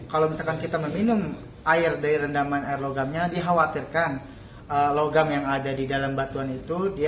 kalau misalkan kita meminum air dari rendaman air logamnya dikhawatirkan logam yang ada di dalam batuan itu